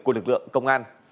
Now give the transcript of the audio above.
của lực lượng công an